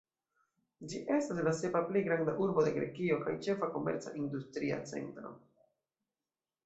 Ĝi estas la sepa plej granda urbo de Grekio kaj ĉefa komerca-industria centro.